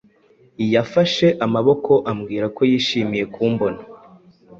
Yafashe amaboko ambwira ko yishimiye kumbona.